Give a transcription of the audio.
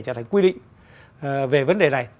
trở thành quy định về vấn đề này